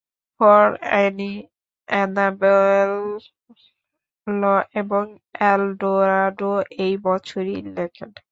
For Annie, Annabel Lee এবং Eldorado এই বছরই লেখেন।